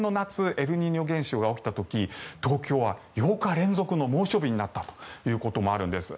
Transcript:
エルニーニョ現象が起きた時東京は８日連続の猛暑日になったということもあるんです。